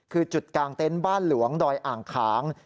คือจุดกลางเต็นต์บ้านหลวงดอยอ่างขาง